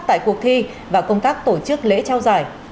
tại cuộc thi và công tác tổ chức lễ trao giải